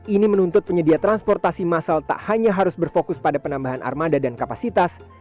ini menuntut penyedia transportasi massal tak hanya harus berfokus pada penambahan armada dan kapasitas